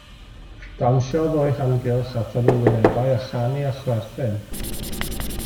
Dawnsiodd o'i hamgylch a thynnu wynebau a chanu a chwerthin.